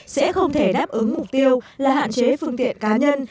sẽ không thể đáp ứng mục tiêu là hạn chế phương tiện cá nhân